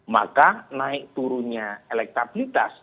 maka naik turunnya elektabilitas